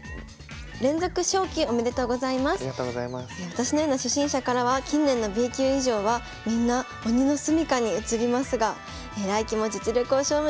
「私のような初心者からは近年のＢ級以上はみんな鬼のすみかに映りますが来期も実力を証明してください」というお便りです。